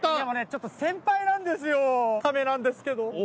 でもねちょっと先輩なんですよタメなんですけど。